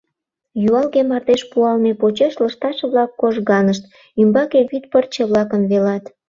Юалге мардеж пуалме почеш лышташ-влак кожганышт, ӱмбаке вӱд пырче-влакым велат.